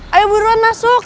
ayo buruan masuk